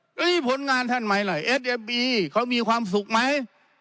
อันนี้ผลงานท่านไหมอะไรเอ็ดเอฟอีบีเขามีความสุขไหม